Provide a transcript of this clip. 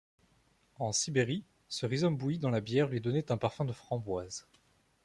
En Sibérie, ce rhizome bouilli dans la bière lui donnait un parfum de framboise.